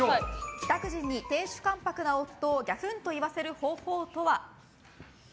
帰宅時に亭主関白な夫をギャフンと言わせる方法とは？